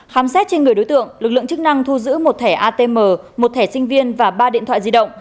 khám xét trên người đối tượng lực lượng chức năng thu giữ một thẻ atm một thẻ sinh viên và ba điện thoại di động